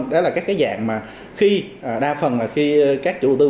đó là các cái dạng mà khi đa phần là khi các chủ đầu tư